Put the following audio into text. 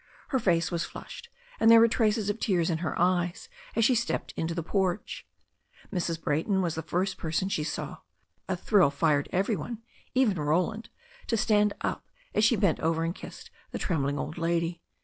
Her face was flushed, and there were traces of tears in her eyes as she stepped into the porch. Mrs. Brayton was the first person she saw. A thrill fired every one, even Roland, to stand up, as she bent over and kissed the trembling old lady.